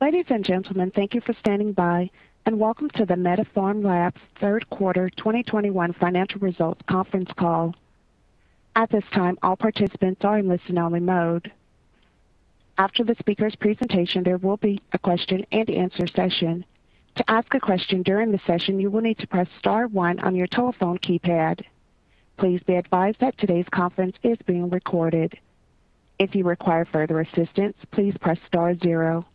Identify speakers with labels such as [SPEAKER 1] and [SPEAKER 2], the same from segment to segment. [SPEAKER 1] Ladies and gentlemen, thank you for standing by, and welcome to the MediPharm Labs third quarter 2021 financial results conference call. At this time, all participants are in listen-only mode. After the speaker's presentation, there will be a question-and-answer session. To ask a question during the session, you will need to press star one on your telephone keypad. Please be advised that today's conference is being recorded. If you require further assistance, please press star zero.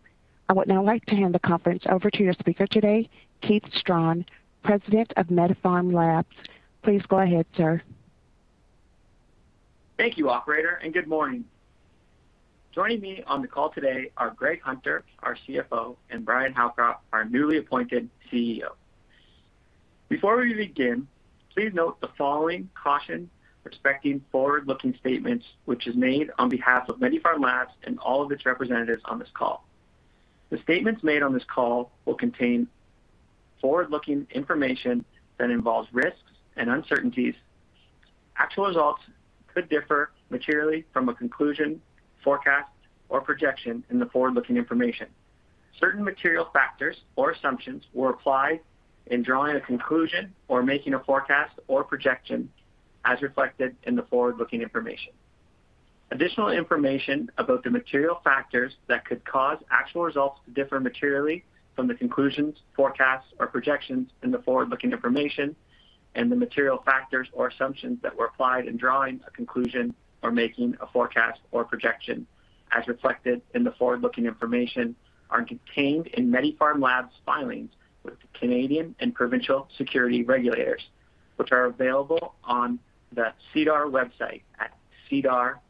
[SPEAKER 1] I would now like to hand the conference over to your speaker today, Keith Strachan, President of MediPharm Labs. Please go ahead, sir.
[SPEAKER 2] Thank you, operator, and good morning. Joining me on the call today are Greg Hunter, our CFO, and Bryan Howcroft, our newly appointed CEO. Before we begin, please note the following caution respecting forward-looking statements, which is made on behalf of MediPharm Labs and all of its representatives on this call. The statements made on this call will contain forward-looking information that involves risks and uncertainties. Actual results could differ materially from a conclusion, forecast, or projection in the forward-looking information. Certain material factors or assumptions were applied in drawing a conclusion or making a forecast or projection as reflected in the forward-looking information. Additional information about the material factors that could cause actual results to differ materially from the conclusions, forecasts, or projections in the forward-looking information and the material factors or assumptions that were applied in drawing a conclusion or making a forecast or projection as reflected in the forward-looking information are contained in MediPharm Labs' filings with the Canadian and provincial security regulators, which are available on the SEDAR website at sedar.com.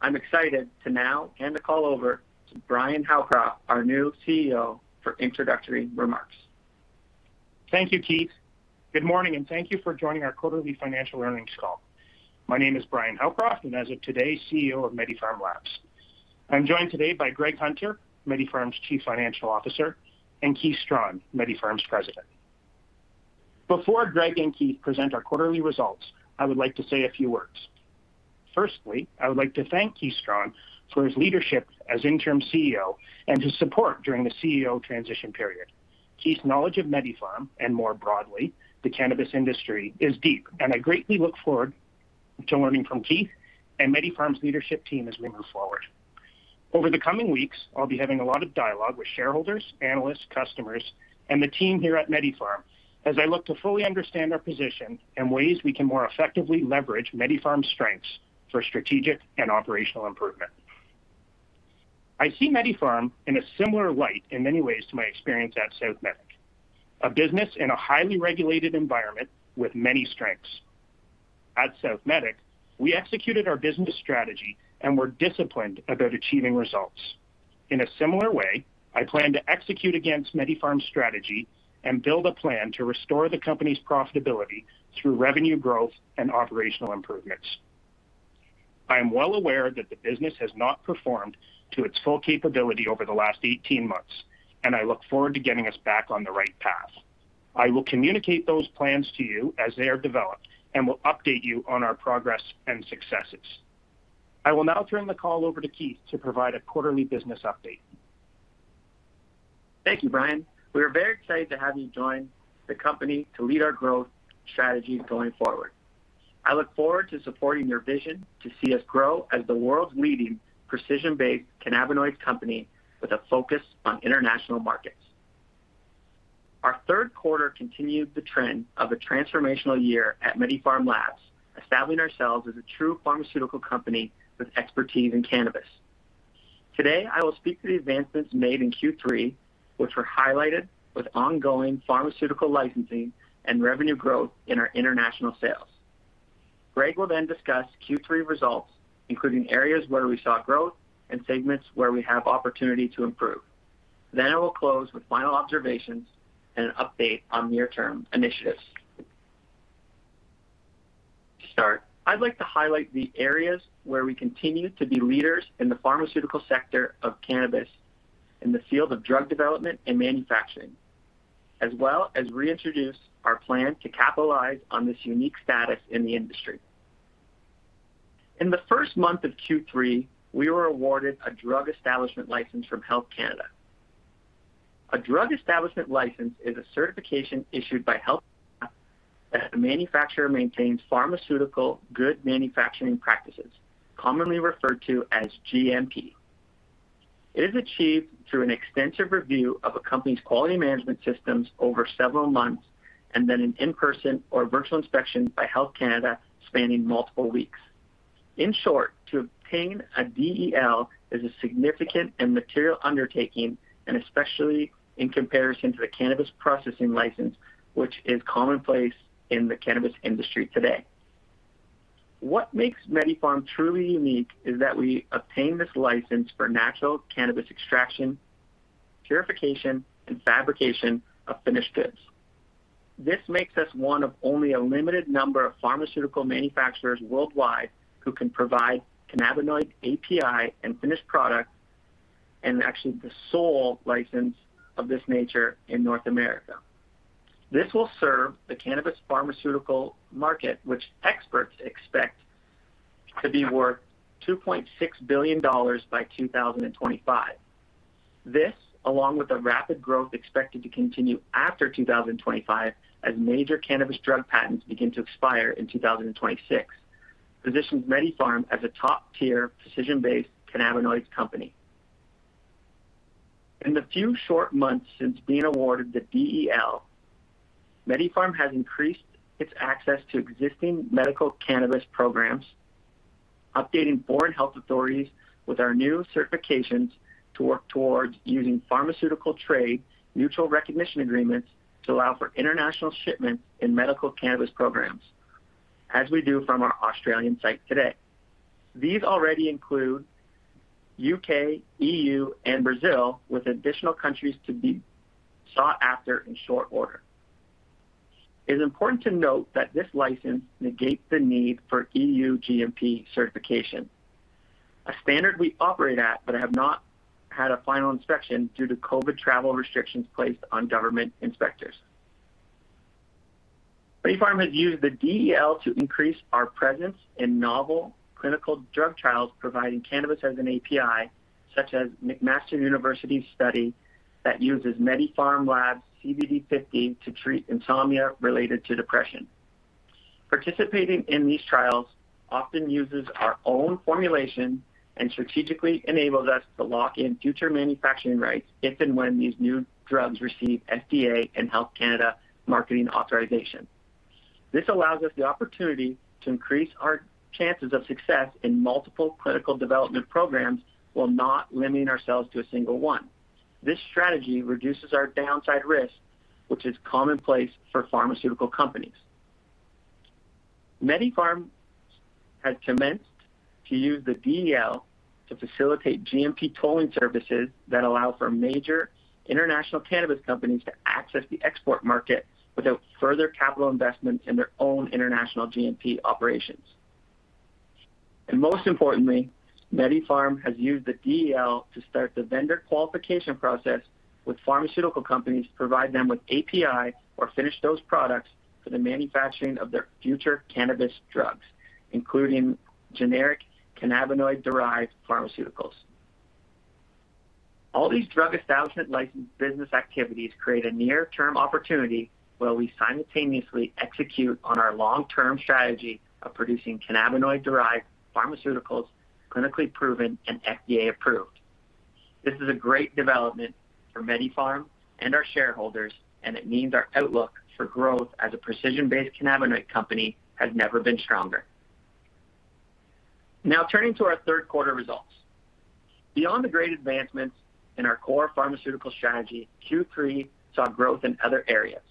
[SPEAKER 2] I'm excited to now hand the call over to Bryan Howcroft, our new CEO, for introductory remarks.
[SPEAKER 3] Thank you, Keith. Good morning, and thank you for joining our quarterly financial earnings call. My name is Bryan Howcroft, and as of today, I am CEO of MediPharm Labs. I'm joined today by Greg Hunter, MediPharm's Chief Financial Officer, and Keith Strachan, MediPharm's President. Before Greg and Keith present our quarterly results, I would like to say a few words. Firstly, I would like to thank Keith Strachan for his leadership as interim CEO and his support during the CEO transition period. Keith's knowledge of MediPharm and more broadly, the cannabis industry, is deep, and I greatly look forward to learning from Keith and MediPharm's leadership team as we move forward. Over the coming weeks, I'll be having a lot of dialogue with shareholders, analysts, customers, and the team here at MediPharm as I look to fully understand our position and ways we can more effectively leverage MediPharm's strengths for strategic and operational improvement. I see MediPharm in a similar light in many ways to my experience at Southmedic, a business in a highly regulated environment with many strengths. At Southmedic, we executed our business strategy and were disciplined about achieving results. In a similar way, I plan to execute against MediPharm's strategy and build a plan to restore the company's profitability through revenue growth and operational improvements. I am well aware that the business has not performed to its full capability over the last 18 months, and I look forward to getting us back on the right path. I will communicate those plans to you as they are developed and will update you on our progress and successes. I will now turn the call over to Keith to provide a quarterly business update.
[SPEAKER 2] Thank you, Bryan. We are very excited to have you join the company to lead our growth strategy going forward. I look forward to supporting your vision to see us grow as the world's leading precision-based cannabinoid company with a focus on international markets. Our third quarter continued the trend of a transformational year at MediPharm Labs, establishing ourselves as a true pharmaceutical company with expertise in cannabis. Today, I will speak to the advancements made in Q3, which were highlighted with ongoing pharmaceutical licensing and revenue growth in our international sales. Greg will then discuss Q3 results, including areas where we saw growth and segments where we have opportunity to improve. I will close with final observations and an update on near-term initiatives. To start, I'd like to highlight the areas where we continue to be leaders in the pharmaceutical sector of cannabis in the field of drug development and manufacturing, as well as reintroduce our plan to capitalize on this unique status in the industry. In the first month of Q3, we were awarded a Drug Establishment License from Health Canada. A Drug Establishment License is a certification issued by Health Canada that a manufacturer maintains pharmaceutical good manufacturing practices, commonly referred to as GMP. It is achieved through an extensive review of a company's quality management systems over several months, and then an in-person or virtual inspection by Health Canada spanning multiple weeks. In short, to obtain a DEL is a significant and material undertaking, and especially in comparison to the cannabis processing license, which is commonplace in the cannabis industry today. What makes MediPharm truly unique is that we obtain this license for natural cannabis extraction, purification, and fabrication of finished goods. This makes us one of only a limited number of pharmaceutical manufacturers worldwide who can provide cannabinoid API and finished product, and actually the sole license of this nature in North America. This will serve the cannabis pharmaceutical market, which experts expect to be worth $2.6 billion by 2025. This, along with the rapid growth expected to continue after 2025 as major cannabis drug patents begin to expire in 2026, positions MediPharm as a top-tier precision-based cannabinoids company. In the few short months since being awarded the DEL, MediPharm has increased its access to existing medical cannabis programs, updating foreign health authorities with our new certifications to work towards using pharmaceutical trade mutual recognition agreements to allow for international shipments in medical cannabis programs, as we do from our Australian site today. These already include U.K., EU, and Brazil, with additional countries to be sought after in short order. It is important to note that this license negates the need for EU GMP certification, a standard we operate at, but have not had a final inspection due to COVID travel restrictions placed on government inspectors. MediPharm has used the DEL to increase our presence in novel clinical drug trials providing cannabis as an API, such as McMaster University's study that uses MediPharm Labs CBD50 to treat insomnia related to depression. Participating in these trials often uses our own formulation and strategically enables us to lock in future manufacturing rights if and when these new drugs receive FDA and Health Canada marketing authorization. This allows us the opportunity to increase our chances of success in multiple clinical development programs while not limiting ourselves to a single one. This strategy reduces our downside risk, which is commonplace for pharmaceutical companies. MediPharm has commenced to use the DEL to facilitate GMP tolling services that allow for major international cannabis companies to access the export market without further capital investment in their own international GMP operations. Most importantly, MediPharm has used the DEL to start the vendor qualification process with pharmaceutical companies to provide them with API or finished dose products for the manufacturing of their future cannabis drugs, including generic cannabinoid-derived pharmaceuticals. All these Drug Establishment License business activities create a near-term opportunity while we simultaneously execute on our long-term strategy of producing cannabinoid-derived pharmaceuticals, clinically proven and FDA approved. This is a great development for MediPharm and our shareholders, and it means our outlook for growth as a precision-based cannabinoid company has never been stronger. Now turning to our third quarter results. Beyond the great advancements in our core pharmaceutical strategy, Q3 saw growth in other areas,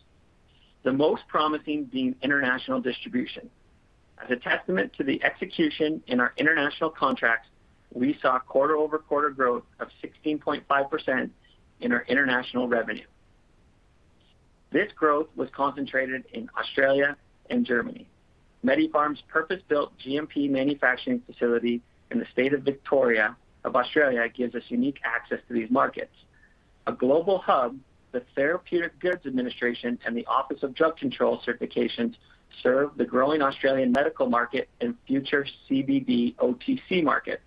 [SPEAKER 2] the most promising being international distribution. As a testament to the execution in our international contracts, we saw quarter-over-quarter growth of 16.5% in our international revenue. This growth was concentrated in Australia and Germany. MediPharm's purpose-built GMP manufacturing facility in the state of Victoria, Australia gives us unique access to these markets. A global hub, the Therapeutic Goods Administration and the Office of Drug Control certifications serve the growing Australian medical market and future CBD OTC market.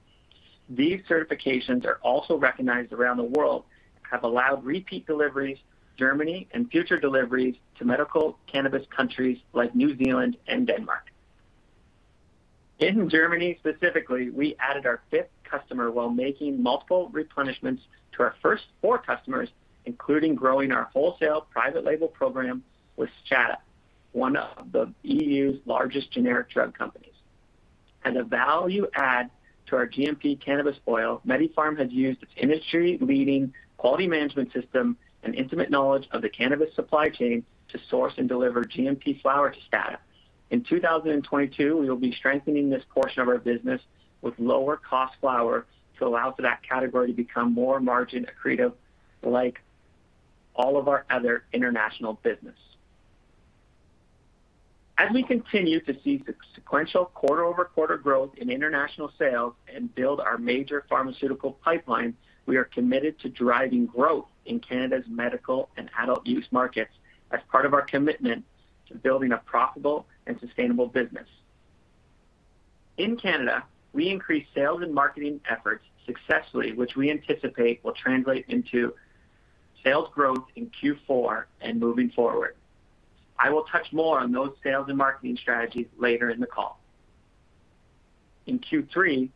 [SPEAKER 2] These certifications are also recognized around the world, have allowed repeat deliveries to Germany and future deliveries to medical cannabis countries like New Zealand and Denmark. In Germany specifically, we added our fifth customer while making multiple replenishments to our first four customers, including growing our wholesale private label program with Stada, one of the EU's largest generic drug companies. As a value add to our GMP cannabis oil, MediPharm has used its industry-leading quality management system and intimate knowledge of the cannabis supply chain to source and deliver GMP flower to Stada. In 2022, we will be strengthening this portion of our business with lower cost flower to allow for that category to become more margin accretive like all of our other international business. As we continue to see sequential quarter-over-quarter growth in international sales and build our major pharmaceutical pipeline, we are committed to driving growth in Canada's medical and adult use markets as part of our commitment to building a profitable and sustainable business. In Canada, we increased sales and marketing efforts successfully, which we anticipate will translate into sales growth in Q4 and moving forward. I will touch more on those sales and marketing strategies later in the call. In Q3,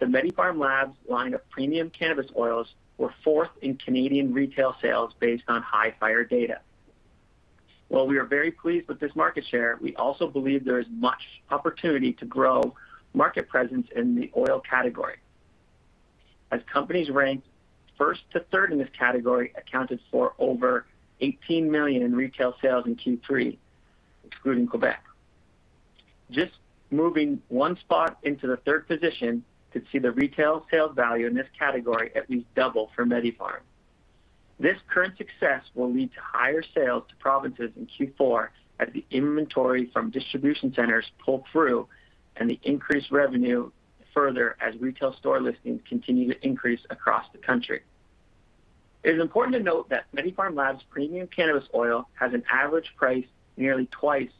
[SPEAKER 2] the MediPharm Labs line of premium cannabis oils were fourth in Canadian retail sales based on Hifyre data. While we are very pleased with this market share, we also believe there is much opportunity to grow market presence in the oil category. Companies ranked first to third in this category accounted for over 18 million in retail sales in Q3, excluding Quebec. Just moving one spot into the third position could see the retail sales value in this category at least double for MediPharm. This current success will lead to higher sales to provinces in Q4 as the inventory from distribution centers pull through and the increased revenue. Further, as retail store listings continue to increase across the country. It is important to note that MediPharm Labs premium cannabis oil has an average price nearly twice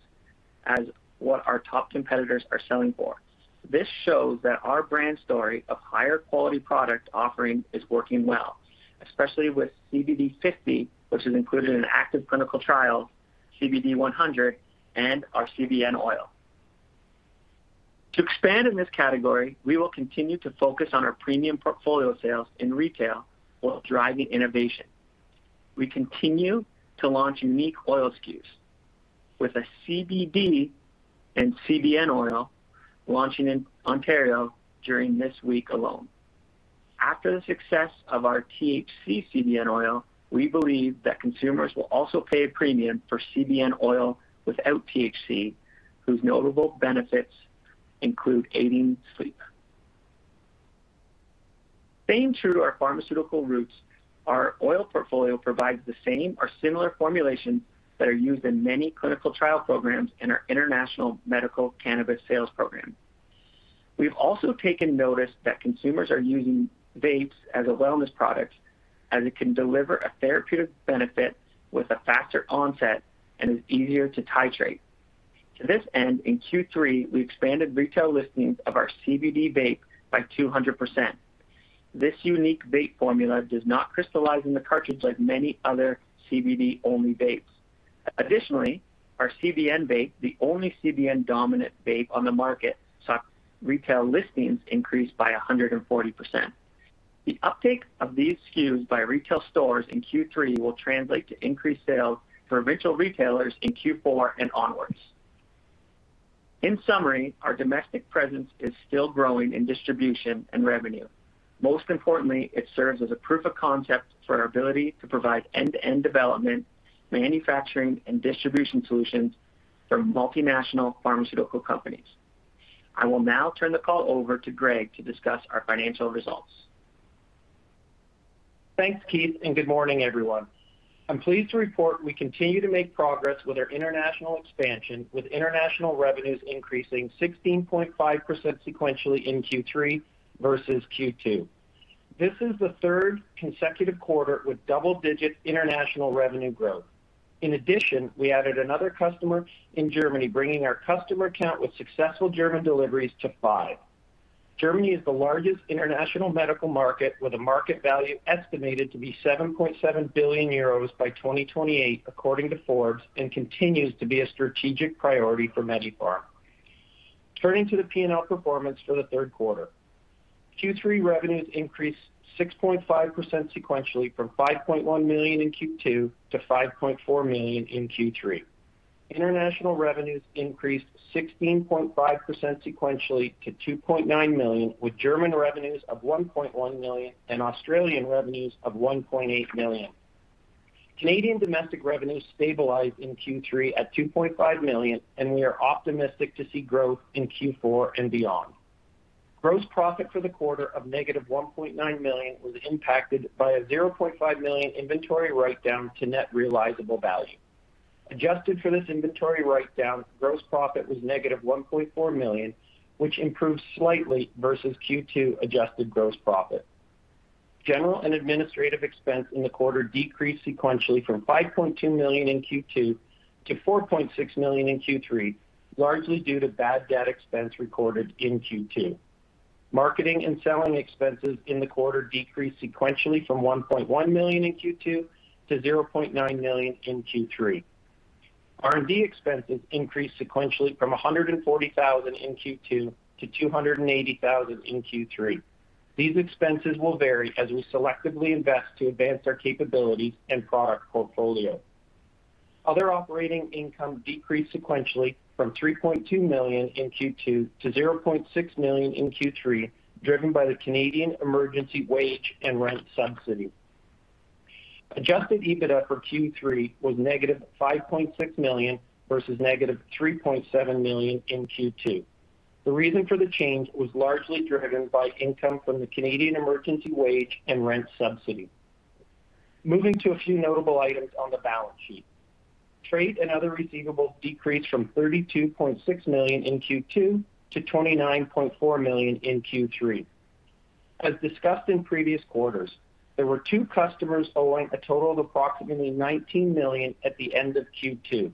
[SPEAKER 2] as what our top competitors are selling for. This shows that our brand story of higher quality product offering is working well, especially with CBD50, which is included in an active clinical trial, CBD100, and our CBN Oil. To expand in this category, we will continue to focus on our premium portfolio sales in retail while driving innovation. We continue to launch unique oil SKUs with a CBD and CBN Oil launching in Ontario during this week alone. After the success of our THC/CBN Oil, we believe that consumers will also pay a premium for CBN Oil without THC, whose notable benefits include aiding sleep. Staying true to our pharmaceutical roots, our oil portfolio provides the same or similar formulations that are used in many clinical trial programs in our international medical cannabis sales program. We've also taken notice that consumers are using vapes as a wellness product as it can deliver a therapeutic benefit with a faster onset and is easier to titrate. To this end, in Q3, we expanded retail listings of our CBD Vape by 200%. This unique vape formula does not crystallize in the cartridge like many other CBD-only vapes. Additionally, our CBN Vape, the only CBN-dominant vape on the market, saw retail listings increase by 140%. The uptake of these SKUs by retail stores in Q3 will translate to increased sales for retail retailers in Q4 and onwards. In summary, our domestic presence is still growing in distribution and revenue. Most importantly, it serves as a proof of concept for our ability to provide end-to-end development, manufacturing, and distribution solutions for multinational pharmaceutical companies. I will now turn the call over to Greg to discuss our financial results.
[SPEAKER 4] Thanks, Keith, and good morning, everyone. I'm pleased to report we continue to make progress with our international expansion, with international revenues increasing 16.5% sequentially in Q3 versus Q2. This is the third consecutive quarter with double-digit international revenue growth. In addition, we added another customer in Germany, bringing our customer count with successful German deliveries to five. Germany is the largest international medical market with a market value estimated to be 7.7 billion euros by 2028 according to Forbes, and continues to be a strategic priority for MediPharm. Turning to the P&L performance for the third quarter. Q3 revenues increased 6.5% sequentially from 5.1 million in Q2 to 5.4 million in Q3. International revenues increased 16.5% sequentially to 2.9 million, with German revenues of 1.1 million and Australian revenues of 1.8 million. Canadian domestic revenues stabilized in Q3 at 2.5 million, and we are optimistic to see growth in Q4 and beyond. Gross profit for the quarter of -1.9 million was impacted by a 0.5 million inventory write-down to net realizable value. Adjusted for this inventory write-down, gross profit was -1.4 million, which improved slightly versus Q2 adjusted gross profit. General and administrative expense in the quarter decreased sequentially from 5.2 million in Q2 to 4.6 million in Q3, largely due to bad debt expense recorded in Q2. Marketing and selling expenses in the quarter decreased sequentially from 1.1 million in Q2 to 0.9 million in Q3. R&D expenses increased sequentially from 140,000 in Q2 to 280,000 in Q3. These expenses will vary as we selectively invest to advance our capabilities and product portfolio. Other operating income decreased sequentially from 3.2 million in Q2 to 0.6 million in Q3, driven by the Canada Emergency Wage Subsidy and Canada Emergency Rent Subsidy. Adjusted EBITDA for Q3 was -5.6 million versus -3.7 million in Q2. The reason for the change was largely driven by income from the Canada Emergency Wage Subsidy and Canada Emergency Rent Subsidy. Moving to a few notable items on the balance sheet. Trade and other receivables decreased from 32.6 million in Q2 to 29.4 million in Q3. As discussed in previous quarters, there were two customers owing a total of approximately 19 million at the end of Q2.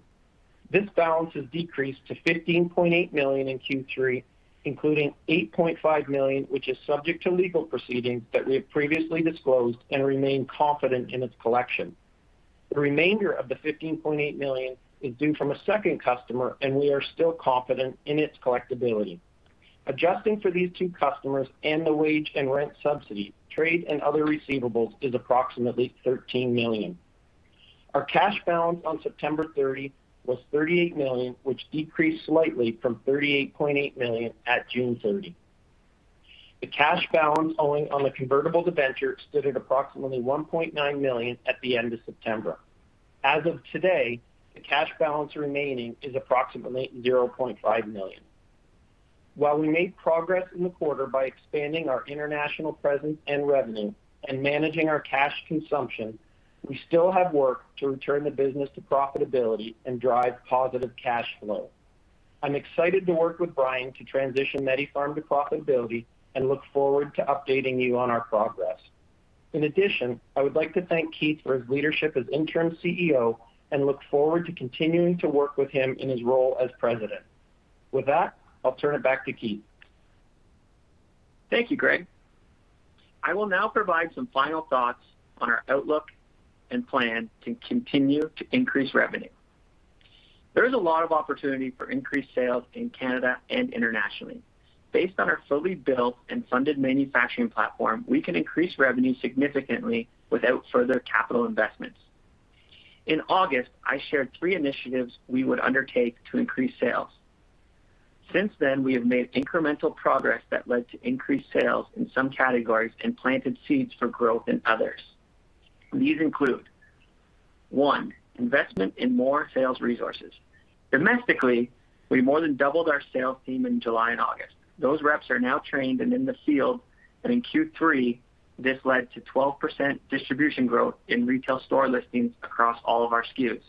[SPEAKER 4] This balance has decreased to 15.8 million in Q3, including 8.5 million, which is subject to legal proceedings that we have previously disclosed and remain confident in its collection. The remainder of the 15.8 million is due from a second customer, and we are still confident in its collectability. Adjusting for these two customers and the wage and rent subsidy, trade and other receivables is approximately 13 million. Our cash balance on September 30 was 38 million, which decreased slightly from 38.8 million at June 30. The cash balance owing on the convertible debenture stood at approximately 1.9 million at the end of September. As of today, the cash balance remaining is approximately 0.5 million. While we made progress in the quarter by expanding our international presence and revenue and managing our cash consumption, we still have work to return the business to profitability and drive positive cash flow. I'm excited to work with Bryan to transition MediPharm to profitability and look forward to updating you on our progress. In addition, I would like to thank Keith for his leadership as interim CEO and look forward to continuing to work with him in his role as President. With that, I'll turn it back to Keith.
[SPEAKER 2] Thank you, Greg. I will now provide some final thoughts on our outlook and plan to continue to increase revenue. There is a lot of opportunity for increased sales in Canada and internationally. Based on our fully built and funded manufacturing platform, we can increase revenue significantly without further capital investments. In August, I shared three initiatives we would undertake to increase sales. Since then, we have made incremental progress that led to increased sales in some categories and planted seeds for growth in others. These include, one, investment in more sales resources. Domestically, we more than doubled our sales team in July and August. Those reps are now trained and in the field, and in Q3, this led to 12% distribution growth in retail store listings across all of our SKUs.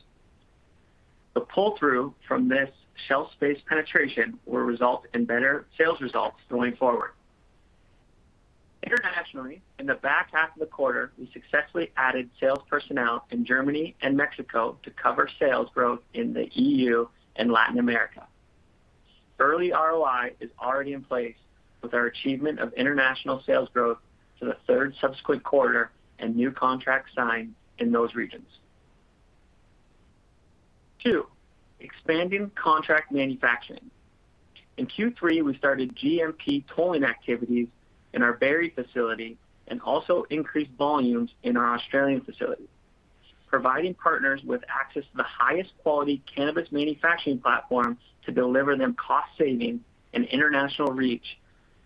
[SPEAKER 2] The pull-through from this shelf space penetration will result in better sales results going forward. Internationally, in the back half of the quarter, we successfully added sales personnel in Germany and Mexico to cover sales growth in the EU and Latin America. Early ROI is already in place with our achievement of international sales growth to the third subsequent quarter and new contracts signed in those regions. Two, expanding contract manufacturing. In Q3, we started GMP tolling activities in our Barrie facility and also increased volumes in our Australian facility. Providing partners with access to the highest quality cannabis manufacturing platform to deliver them cost savings and international reach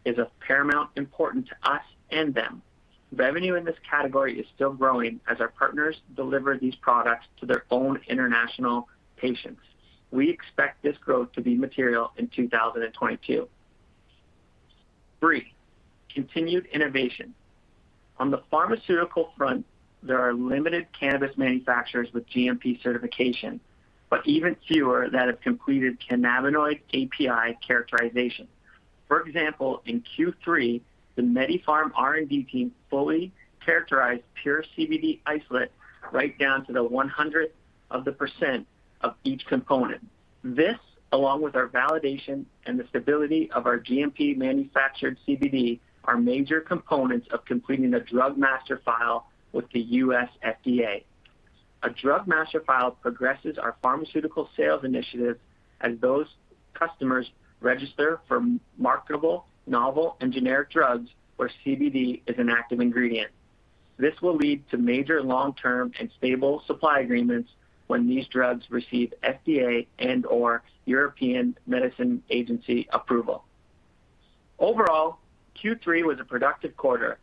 [SPEAKER 2] is of paramount importance to us and them. Revenue in this category is still growing as our partners deliver these products to their own international patients. We expect this growth to be material in 2022. Three, continued innovation. On the pharmaceutical front, there are limited cannabis manufacturers with GMP certification, but even fewer that have completed cannabinoid API characterization. For example, in Q3, the MediPharm R&D team fully characterized pure CBD Isolate right down to the 0.01% of each component. This, along with our validation and the stability of our GMP manufactured CBD, are major components of completing a Drug Master File with the U.S. FDA. A Drug Master File progresses our pharmaceutical sales initiative as those customers register for marketable, novel, and generic drugs where CBD is an active ingredient. This will lead to major long-term and stable supply agreements when these drugs receive FDA and/or European Medicines Agency approval. Overall, Q3 was a productive quarter,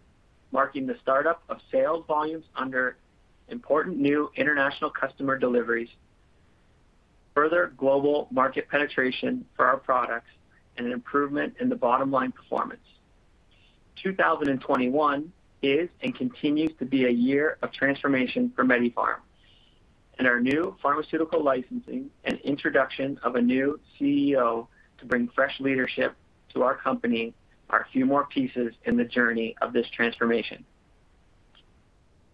[SPEAKER 2] marking the startup of sales volumes under important new international customer deliveries, further global market penetration for our products, and an improvement in the bottom-line performance. 2021 is and continues to be a year of transformation for MediPharm, and our new pharmaceutical licensing and introduction of a new CEO to bring fresh leadership to our company are a few more pieces in the journey of this transformation.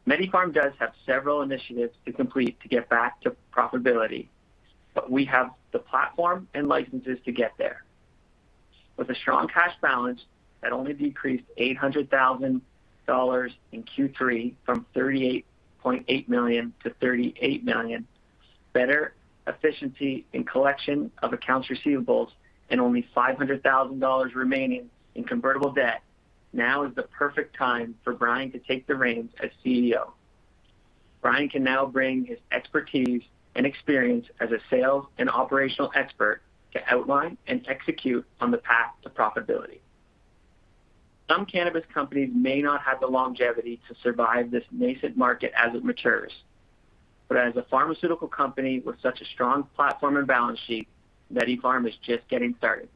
[SPEAKER 2] MediPharm does have several initiatives to complete to get back to profitability, but we have the platform and licenses to get there. With a strong cash balance that only decreased 800,000 dollars in Q3 from 38.8 million-38 million, better efficiency in collection of accounts receivables and only 500,000 dollars remaining in convertible debt, now is the perfect time for Bryan to take the reins as CEO. Bryan can now bring his expertise and experience as a sales and operational expert to outline and execute on the path to profitability. Some cannabis companies may not have the longevity to survive this nascent market as it matures. As a pharmaceutical company with such a strong platform and balance sheet, MediPharm is just getting started.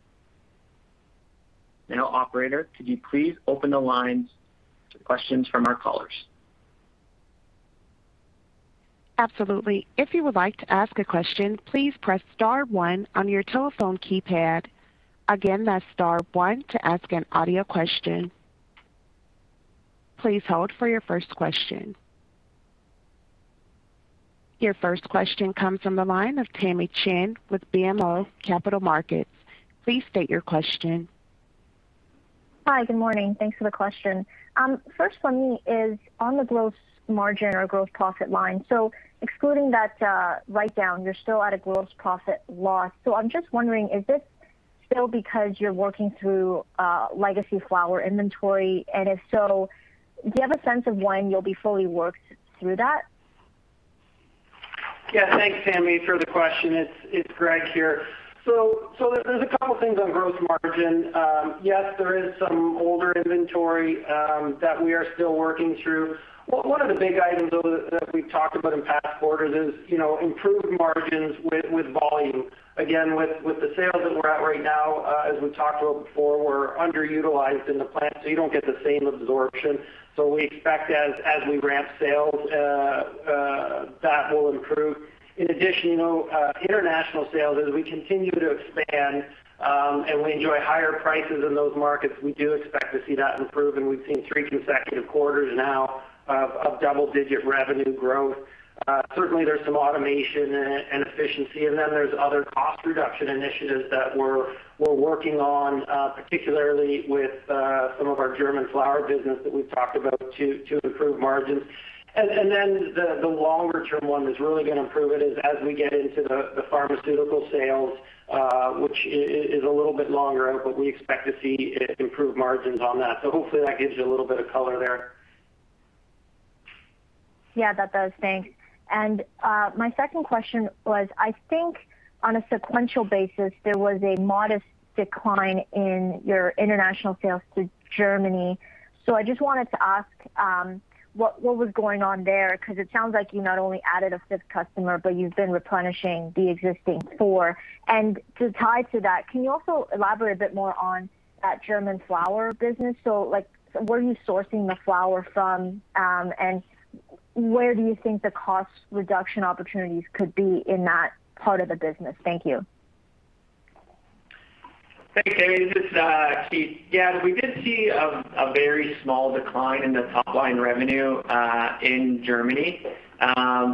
[SPEAKER 2] Now, operator, could you please open the lines to questions from our callers?
[SPEAKER 1] Absolutely. If you would like to ask a question, please press star one on your telephone keypad. Again, that's star one to ask an audio question. Please hold for your first question. Your first question comes from the line of Tamy Chen with BMO Capital Markets. Please state your question.
[SPEAKER 5] Hi. Good morning. Thanks for the question. First one is on the gross margin or gross profit line. Excluding that write-down, you're still at a gross profit loss. I'm just wondering, is this still because you're working through legacy flower inventory? And if so, do you have a sense of when you'll be fully worked through that?
[SPEAKER 4] Yeah. Thanks, Tammy, for the question. It's Greg here. There's a couple things on gross margin. Yes, there is some older inventory that we are still working through. One of the big items, though, that we've talked about in past quarters is, you know, improved margins with volume. Again, with the sales that we're at right now, as we talked about before, we're underutilized in the plant, so you don't get the same absorption. We expect as we ramp sales, that will improve. In addition, you know, international sales, as we continue to expand, and we enjoy higher prices in those markets, we do expect to see that improve, and we've seen three consecutive quarters now of double-digit revenue growth. Certainly there's some automation and efficiency, and then there's other cost reduction initiatives that we're working on, particularly with some of our German flower business that we've talked about to improve margins. Then the longer term one that's really gonna improve it is as we get into the pharmaceutical sales, which is a little bit longer out, but we expect to see improved margins on that. Hopefully that gives you a little bit of color there.
[SPEAKER 5] Yeah, that does. Thanks. My second question was, I think on a sequential basis, there was a modest decline in your international sales to Germany. I just wanted to ask what was going on there, 'cause it sounds like you not only added a fifth customer, but you've been replenishing the existing four. To tie to that, can you also elaborate a bit more on that German flower business? Like where are you sourcing the flower from, and where do you think the cost reduction opportunities could be in that part of the business? Thank you.
[SPEAKER 2] Thanks, Amy. This is Keith. Yeah, we did see a very small decline in the top line revenue in Germany.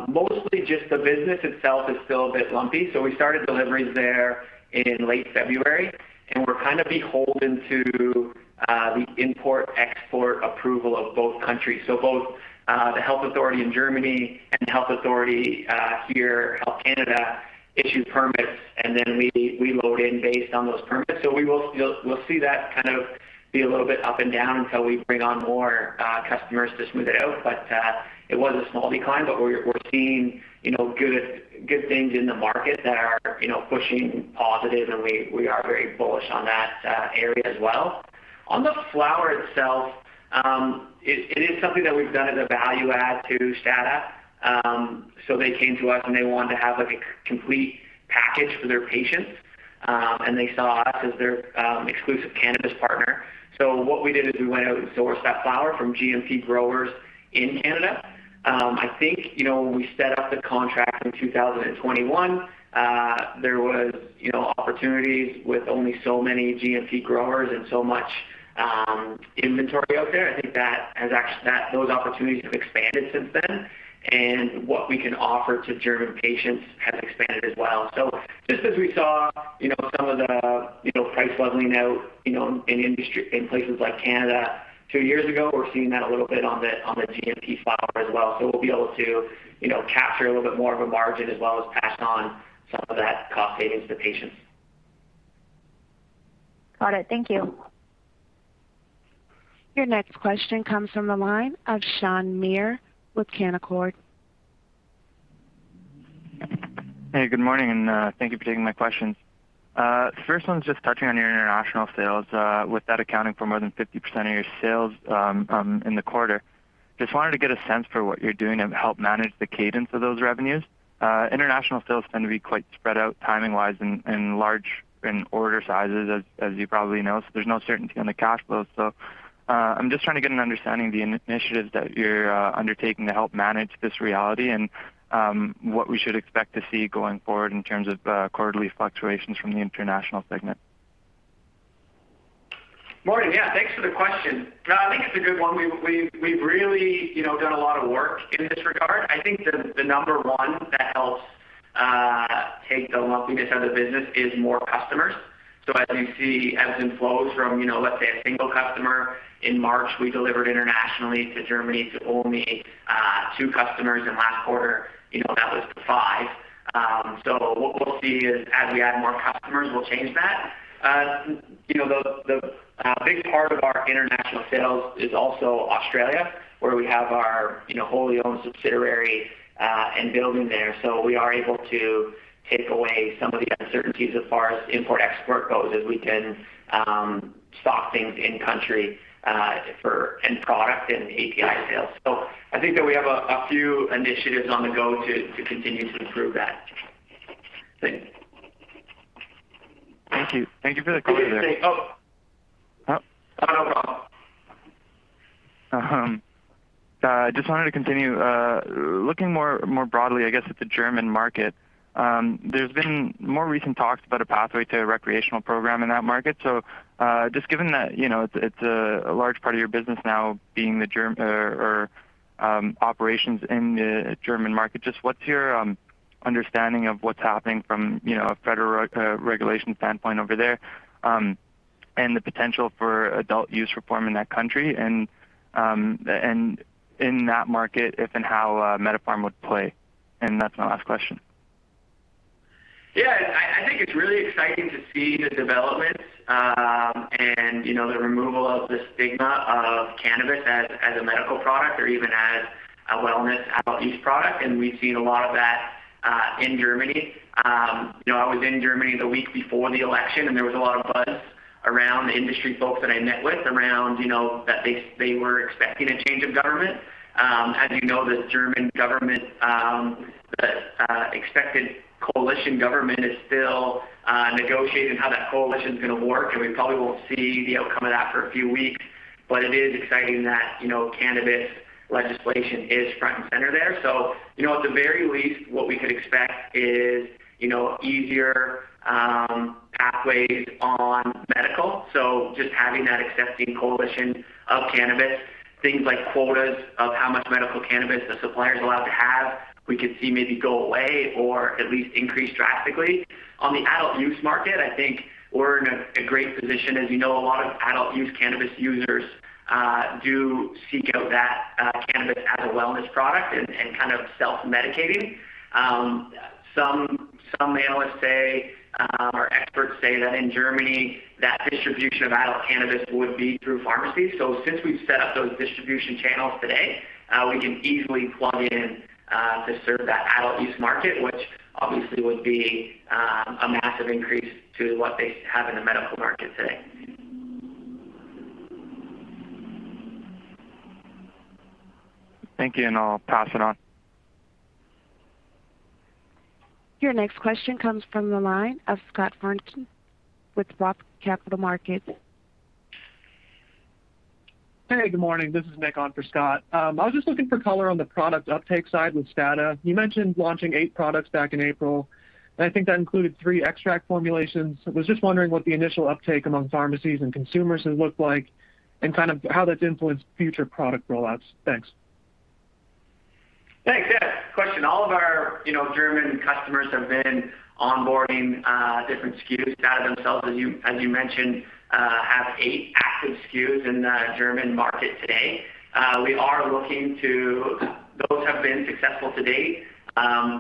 [SPEAKER 2] Mostly just the business itself is still a bit lumpy. We started deliveries there in late February, and we're kind of beholden to the import/export approval of both countries. Both the health authority in Germany and health authority here, Health Canada, issue permits, and then we load in based on those permits. We will still see that kind of be a little bit up and down until we bring on more customers to smooth it out. It was a small decline, but we're seeing you know good things in the market that are you know pushing positive and we are very bullish on that area as well. On the flower itself, it is something that we've done as a value add to Stada. They came to us and they wanted to have like a complete package for their patients, and they saw us as their exclusive cannabis partner. What we did is we went out and sourced that flower from GMP growers in Canada. I think, you know, when we set up the contract in 2021, there was, you know, opportunities with only so many GMP growers and so much inventory out there. I think that actually those opportunities have expanded since then, and what we can offer to German patients has expanded as well. Just as we saw, you know, some of the, you know, price leveling out, you know, in industry, in places like Canada two years ago, we're seeing that a little bit on the GMP flower as well. We'll be able to, you know, capture a little bit more of a margin as well as pass on some of that cost savings to patients.
[SPEAKER 5] Got it. Thank you.
[SPEAKER 1] Your next question comes from the line of Shaan Mir with Canaccord.
[SPEAKER 6] Hey, good morning, and thank you for taking my questions. The first one's just touching on your international sales, with that accounting for more than 50% of your sales, in the quarter. Just wanted to get a sense for what you're doing to help manage the cadence of those revenues. International sales tend to be quite spread out timing-wise and large in order sizes, as you probably know, so there's no certainty on the cash flows. I'm just trying to get an understanding of the initiatives that you're undertaking to help manage this reality and what we should expect to see going forward in terms of quarterly fluctuations from the international segment.
[SPEAKER 2] Morning. Yeah, thanks for the question. No, I think it's a good one. We've really, you know, done a lot of work in this regard. I think the number one that helps take the lumpiness out of the business is more customers. So as you see ebbs and flows from, you know, let's say a single customer. In March, we delivered internationally to Germany to only two customers, and last quarter, you know, that was five. So what we'll see is as we add more customers, we'll change that. You know, the big part of our international sales is also Australia, where we have our, you know, wholly owned subsidiary and building there. We are able to take away some of the uncertainties as far as import/export goes, as we can stock things in country for end product and API sales. I think that we have a few initiatives on the go to continue to improve that. Thanks.
[SPEAKER 6] Thank you. Thank you for the color there.
[SPEAKER 2] Okay.
[SPEAKER 6] Oh.
[SPEAKER 2] Oh, no problem.
[SPEAKER 6] Just wanted to continue looking more broadly, I guess, at the German market. There's been more recent talks about a pathway to a recreational program in that market. Just given that, you know, it's a large part of your business now being the operations in the German market, just what's your understanding of what's happening from, you know, a federal regulation standpoint over there, and the potential for adult use reform in that country and in that market, if and how MediPharm would play? That's my last question.
[SPEAKER 2] Yeah. I think it's really exciting to see the developments, and, you know, the removal of the stigma of cannabis as a medical product or even as a wellness, health use product, and we've seen a lot of that in Germany. You know, I was in Germany the week before the election, and there was a lot of buzz around the industry folks that I met with, you know, that they were expecting a change of government. As you know, the German government, expected coalition government is still negotiating how that coalition's gonna work, and we probably won't see the outcome of that for a few weeks. It is exciting that, you know, cannabis legislation is front and center there. You know, at the very least, what we could expect is, you know, easier Pathways on medical. Just having that accepting coalition of cannabis, things like quotas of how much medical cannabis the supplier is allowed to have, we could see maybe go away or at least increase drastically. On the adult use market, I think we're in a great position. As you know, a lot of adult use cannabis users do seek out that cannabis as a wellness product and kind of self-medicating. Some analysts say or experts say that in Germany, that distribution of adult cannabis would be through pharmacies. Since we've set up those distribution channels today, we can easily plug in to serve that adult use market, which obviously would be a massive increase to what they have in the medical market today.
[SPEAKER 6] Thank you, and I'll pass it on.
[SPEAKER 1] Your next question comes from the line of Scott Fortune with Roth Capital Partners.
[SPEAKER 7] Hey, good morning. This is Nick on for Scott. I was just looking for color on the product uptake side with Stada. You mentioned launching eight products back in April, and I think that included three extract formulations. I was just wondering what the initial uptake among pharmacies and consumers has looked like and kind of how that's influenced future product rollouts. Thanks.
[SPEAKER 2] Thanks. Yeah, good question. All of our, you know, German customers have been onboarding different SKUs. Stada themselves, as you mentioned, have eight active SKUs in the German market today. Those have been successful to date.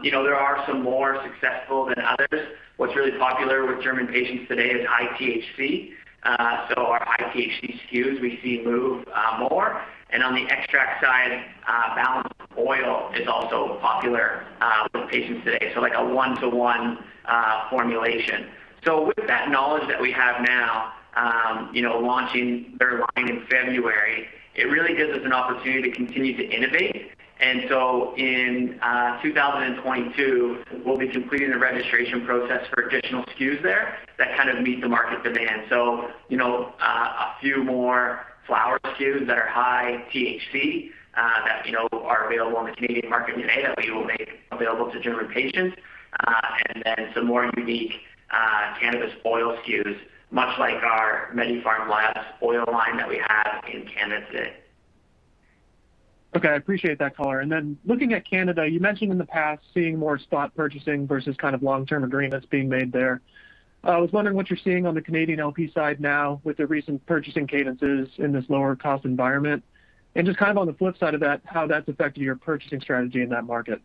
[SPEAKER 2] You know, there are some more successful than others. What's really popular with German patients today is high THC. Our high THC SKUs we see move more. On the extract side, balanced oil is also popular with patients today, so like a 1:1 formulation. With that knowledge that we have now, you know, launching their line in February, it really gives us an opportunity to continue to innovate. In 2022, we'll be completing the registration process for additional SKUs there that kind of meet the market demand. You know, a few more flower SKUs that are high THC, that we know are available in the Canadian market today that we will make available to German patients, and then some more unique, cannabis oil SKUs, much like our MediPharm Labs oil line that we have in Canada today.
[SPEAKER 7] Okay. I appreciate that color. Looking at Canada, you mentioned in the past seeing more spot purchasing versus kind of long-term agreements being made there. I was wondering what you're seeing on the Canadian LP side now with the recent purchasing cadences in this lower cost environment. Just kind of on the flip side of that, how that's affected your purchasing strategy in that market.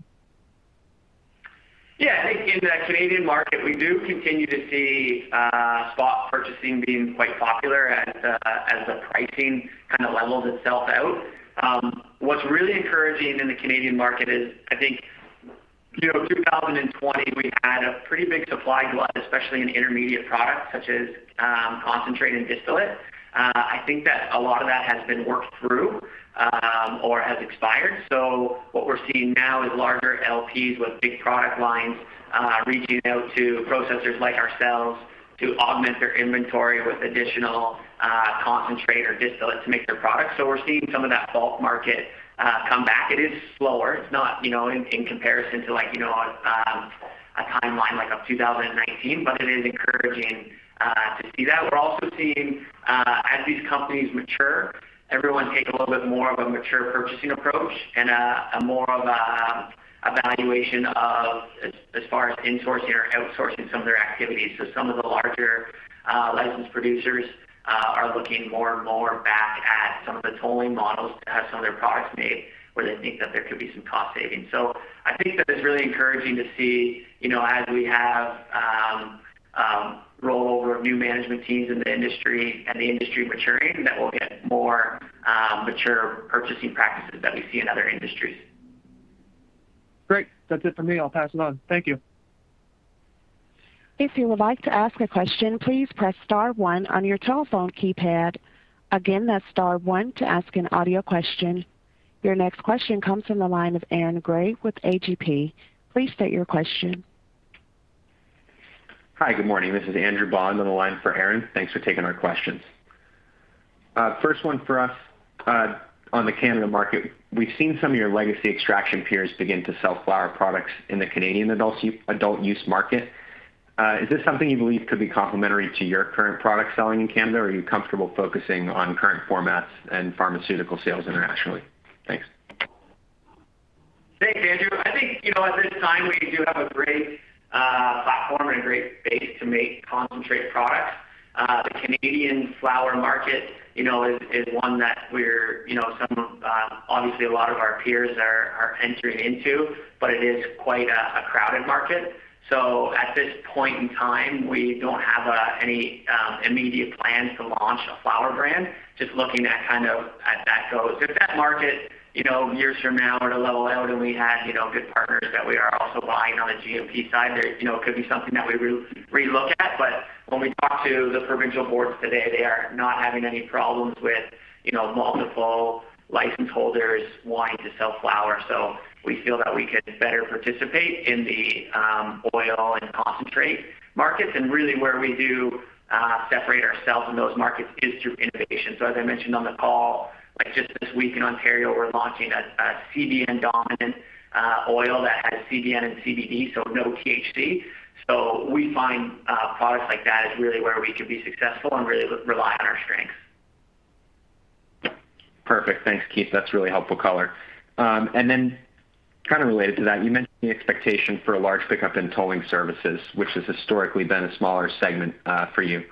[SPEAKER 2] Yeah. I think in the Canadian market, we do continue to see spot purchasing being quite popular as the pricing kind of levels itself out. What's really encouraging in the Canadian market is I think, you know, 2020, we had a pretty big supply glut, especially in intermediate products such as concentrate and distillate. I think that a lot of that has been worked through or has expired. What we're seeing now is larger LPs with big product lines reaching out to processors like ourselves to augment their inventory with additional concentrate or distillate to make their products. We're seeing some of that bulk market come back. It is slower. It's not, you know, in comparison to like, you know, a timeline like of 2019, but it is encouraging to see that. We're also seeing as these companies mature, everyone take a little bit more of a mature purchasing approach and a more of a evaluation of as far as insourcing or outsourcing some of their activities. Some of the larger licensed producers are looking more and more back at some of the tolling models to have some of their products made where they think that there could be some cost savings. I think that it's really encouraging to see, you know, as we have rollover of new management teams in the industry and the industry maturing, that we'll get more mature purchasing practices that we see in other industries.
[SPEAKER 7] Great. That's it for me. I'll pass it on. Thank you.
[SPEAKER 1] If you would like to ask a question, please press star one on your telephone keypad. Again, that's star one to ask an audio question. Your next question comes from the line of Aaron Grey with A.G.P. Please state your question.
[SPEAKER 8] Hi. Good morning. This is Andrew Bond on the line for Aaron. Thanks for taking our questions. First one for us, on the Canada market. We've seen some of your legacy extraction peers begin to sell flower products in the Canadian adult use market. Is this something you believe could be complementary to your current product selling in Canada, or are you comfortable focusing on current formats and pharmaceutical sales internationally? Thanks.
[SPEAKER 2] Thanks, Andrew. I think, you know, at this time, we do have a great platform and a great base to make concentrate products. The Canadian flower market, you know, is one that we're, you know, some of obviously a lot of our peers are entering into, but it is quite a crowded market. At this point in time, we don't have any immediate plans to launch a flower brand, just looking at kind of as that goes. If that market, you know, years from now were to level out and we had, you know, good partners that we are also buying on the GMP side, there, you know, could be something that we relook at. When we talk to the provincial boards today, they are not having any problems with, you know, multiple license holders wanting to sell flower. We feel that we could better participate in the oil and concentrate markets and really where we do separate ourselves in those markets is through innovation. As I mentioned on the call, like just this week in Ontario, we're launching a CBN-dominant oil that has CBN and CBD, so no THC. We find products like that is really where we could be successful and really rely on our strengths.
[SPEAKER 8] Perfect. Thanks, Keith. That's really helpful color. Kind of related to that, you mentioned the expectation for a large pickup in tolling services, which has historically been a smaller segment for you.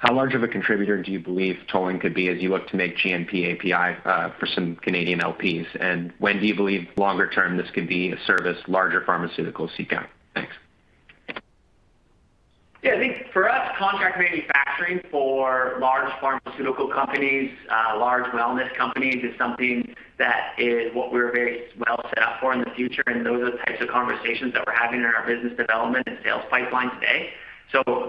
[SPEAKER 8] How large of a contributor do you believe tolling could be as you look to make GMP API for some Canadian LPs? And when do you believe longer term this could be a service larger pharmaceuticals seek out? Thanks.
[SPEAKER 2] Yeah. I think for us, contract manufacturing for large pharmaceutical companies, large wellness companies is something that is what we're very well set up for in the future, and those are the types of conversations that we're having in our business development and sales pipeline today.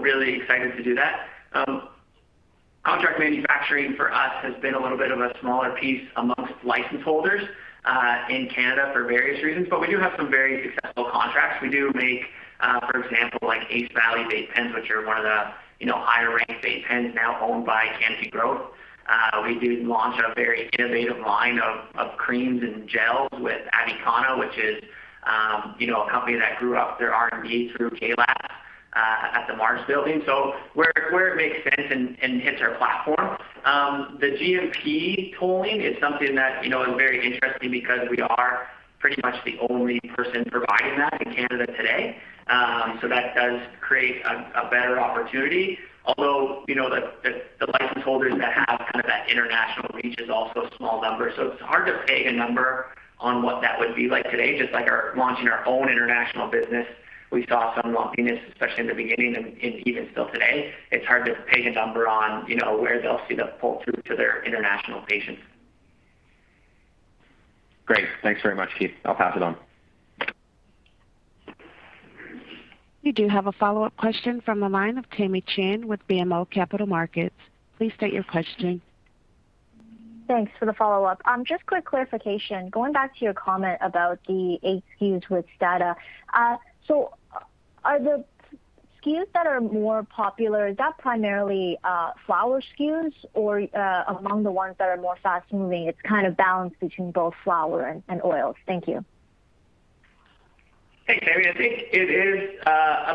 [SPEAKER 2] Really excited to do that. Contract manufacturing for us has been a little bit of a smaller piece amongst license holders in Canada for various reasons. We do have some very successful contracts. We do make, for example, like Ace Valley Vape Pens, which are one of the, you know, higher ranked vape pens now owned by Canopy Growth. We do launch a very innovative line of creams and gels with Avicanna, which is, you know, a company that grew up their R&D through K Labs at the MaRS building. where it makes sense and hits our platform. The GMP tolling is something that, you know, is very interesting because we are pretty much the only person providing that in Canada today. That does create a better opportunity. Although, you know, the license holders that have kind of that international reach is also a small number, so it's hard to peg a number on what that would be like today. Just like launching our own international business, we saw some lumpiness, especially in the beginning and even still today. It's hard to peg a number on, you know, where they'll see the pull-through to their international patients.
[SPEAKER 8] Great. Thanks very much, Keith. I'll pass it on.
[SPEAKER 1] You do have a follow-up question from the line of Tamy Chen with BMO Capital Markets. Please state your question.
[SPEAKER 5] Thanks for the follow-up. Just quick clarification. Going back to your comment about the eight SKUs with Stada. So are the SKUs that are more popular, is that primarily flower SKUs or, among the ones that are more fast-moving, it's kind of balanced between both flower and oils? Thank you.
[SPEAKER 2] Hey, Tamy. I think it is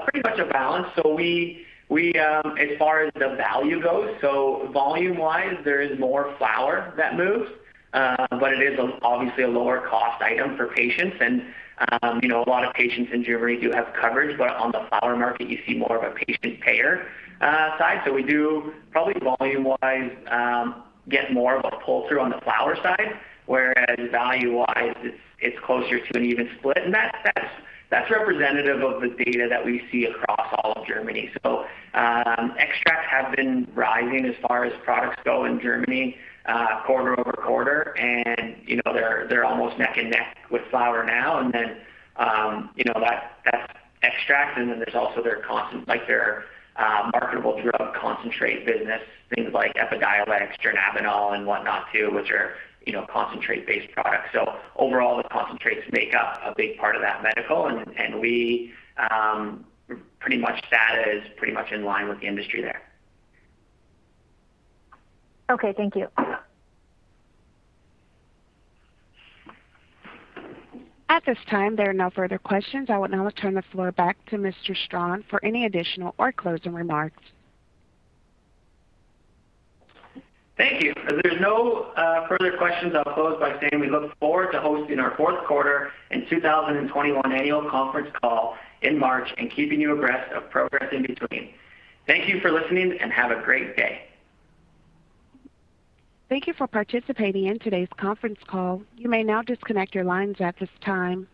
[SPEAKER 2] pretty much a balance. We as far as the value goes, so volume-wise there is more flower that moves, but it is obviously a lower cost item for patients. You know, a lot of patients in Germany do have coverage, but on the flower market you see more of a patient payer side. We do probably volume-wise get more of a pull-through on the flower side, whereas value-wise it's closer to an even split. That's representative of the data that we see across all of Germany. Extracts have been rising as far as products go in Germany, quarter-over-quarter. You know, they're almost neck and neck with flower now and then, you know, that's extracts and then there's also their concent... like their marketable drug concentrate business, things like Epidiolex, Dronabinol and whatnot too, which are concentrate-based products. So overall the concentrates make up a big part of that medical, and that is pretty much in line with the industry there.
[SPEAKER 5] Okay, thank you.
[SPEAKER 1] At this time, there are no further questions. I will now turn the floor back to Mr. Strachan for any additional or closing remarks.
[SPEAKER 2] Thank you. If there's no further questions, I'll close by saying we look forward to hosting our fourth quarter and 2021 annual conference call in March and keeping you abreast of progress in between. Thank you for listening, and have a great day.
[SPEAKER 1] Thank you for participating in today's conference call. You may now disconnect your lines at this time.